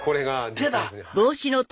手だ！